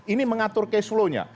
ini mengatur cash flow nya